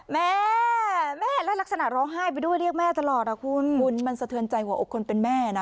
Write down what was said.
แม่แม่และลักษณะร้องไห้ไปด้วยเรียกแม่ตลอดอ่ะคุณคุณมันสะเทือนใจหัวอกคนเป็นแม่นะ